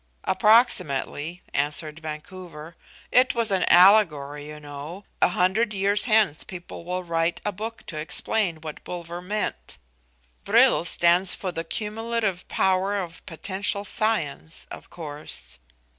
"Approximately," answered Vancouver. "It was an allegory, you know. A hundred years hence people will write a book to explain what Bulwer meant. Vril stands for the cumulative power of potential science, of course."